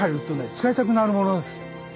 使いたくなるものです。